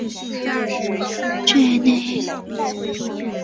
以女性为大宗